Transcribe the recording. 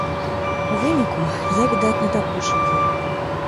У выніку я, відаць, надакучыў ёй.